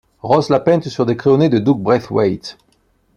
Ross l'a peinte sur des crayonnés de Doug Braithwaite.